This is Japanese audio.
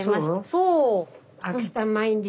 そう。